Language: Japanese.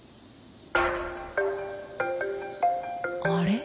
あれ？